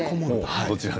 どちらに？